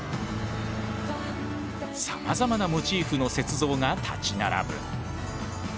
さまざまなモチーフの雪像が立ち並ぶ。